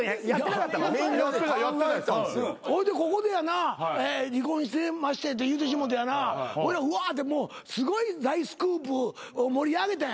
ほいでここでやな離婚してましてって言うてしもてやなうわってもうすごい大スクープ盛り上げた。